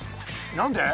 何で？